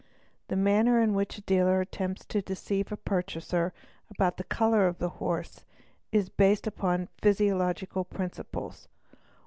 The manner in which a dealer attempts to deceive a purchaser about the colour of a horse is based upon. physiological principles.